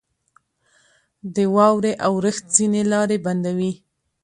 • د واورې اورښت ځینې لارې بندوي.